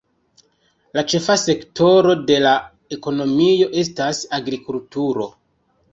La ĉefa sektoro de la ekonomio estas agrikulturo.